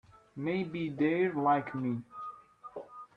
Maybe they're like me.